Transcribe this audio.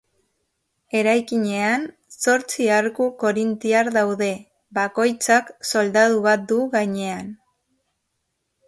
Eraikinean zortzi arku korintiar daude, bakoitzak soldadu bat du gainean.